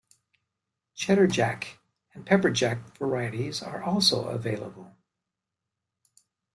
Cheddar-Jack and Pepper Jack varieties are also available.